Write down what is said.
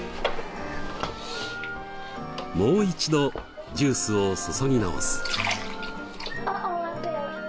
もう一度ジュースを注ぎ直す。